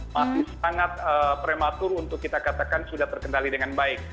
masih sangat prematur untuk kita katakan sudah terkendali dengan baik